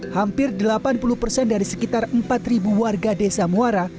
hampir delapan puluh persen dari sekitar empat warga desa muara